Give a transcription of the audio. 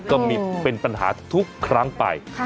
ก็เป็นปัญหาทุกครั้งไป